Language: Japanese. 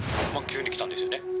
まぁ急に来たんですよね